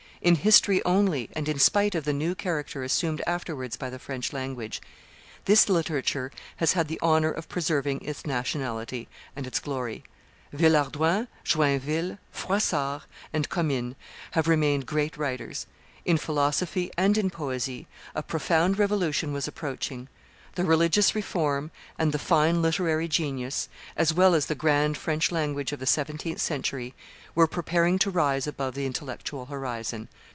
In history only, and in spite of the new character assumed afterwards by the French language, this literature has had the honor of preserving its nationality and its glory. Villehardouin, Joinville, Froissart, and Commynes have remained great writers. In philosophy and in poesy a profound revolution was approaching; the religious reform and the fine literary genius as well as the grand French language of the seventeenth century were preparing to rise above the intellectual horizon.